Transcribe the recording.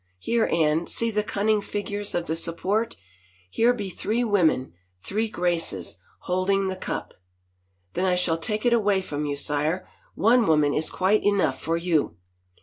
Here, Anne, see the cunning figures of the support. Here be three women, three Graces, holding the cup —"" Then I shall take it awly from you, sire — one woman is quite enough for you."